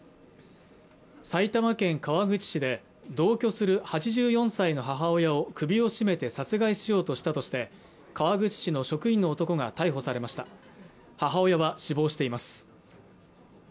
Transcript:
埼玉県川口市で同居する８４歳の母親を首を絞めて殺害しようとしたとして川口市の職員の男が逮捕されました母親は死亡しています